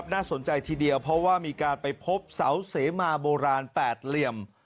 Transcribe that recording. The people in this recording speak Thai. น่าสนใจทีเดียวเพราะว่ามีการไปพบเสาเสมาโบราณ๘เหลี่ยม